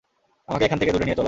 আমাকে এখান থেকে দূরে নিয়ে চলো।